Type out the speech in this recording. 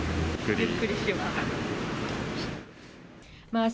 ゆっくりします。